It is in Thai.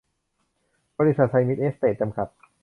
บริษัท ไซมิส แอสเสท จำกัด